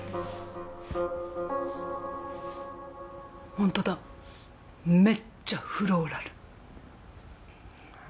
ホントだめっちゃフローラル。